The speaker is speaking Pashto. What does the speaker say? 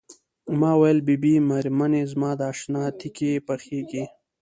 ما وویل بي بي مېرمنې زما د اشنا تیکې پخیږي.